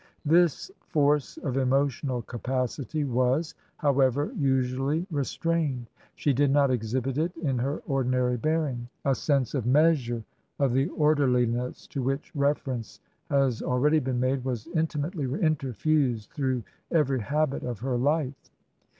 This force of emotional capacity was, however, usually restrained. She did not exhibit it in her ordinary bear ing. A sense of measure^ of the orderliness to which reference has already been made, was intimately interfused through every habit of her life.